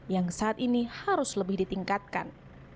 yang saat ini harus lebih ditingkatkan